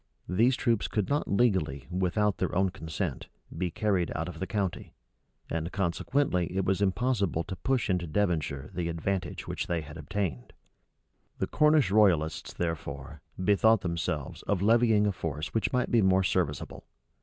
These troops could not legally, without their own consent, be carried out of the county; and consequently it was impossible to push into Devonshire the advantage which they had obtained. The Cornish royalists, therefore, bethought themselves of levying a force which might be more serviceable.